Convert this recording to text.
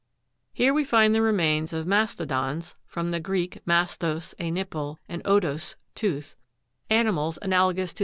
Here we find the remains of mastodons (from the Greek, mastos, a nipple, and odous, tooth), animals analogous 20.